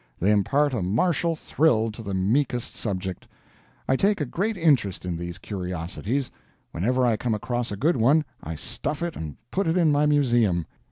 They impart a martial thrill to the meekest subject. I take a great interest in these curiosities. Whenever I come across a good one, I stuff it and put it in my museum.